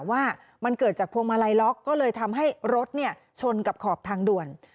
ว่ามันเกิดจากพวงมาลัยล็อกก็เลยทำให้รถชนกับขอบทางด่วน